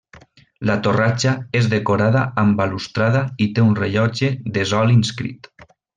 La torratxa és decorada amb balustrada i té un rellotge de sol inscrit.